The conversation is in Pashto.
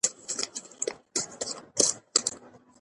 په اد بیاتو کښي د ښه او بد ترمنځ فرق هم کره کتنه کوي.